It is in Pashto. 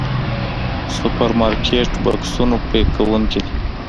سوپرمارکېټ بکسونو پيک کوونکي دي.